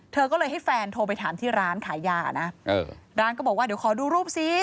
เธอก็เลยให้แฟนโทรไปถามที่ร้านขายยานะร้านก็บอกว่าเดี๋ยวขอดูรูปสิ